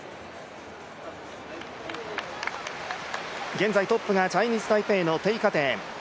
現在トップがチャイニーズ・タイペイの丁華恬。